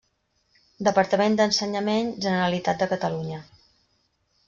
Departament d'Ensenyament, Generalitat de Catalunya.